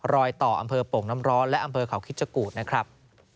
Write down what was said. รอยต่ออำเภอโป่งน้ำร้อนและอำเภอเขาคิดจกูธนะครับ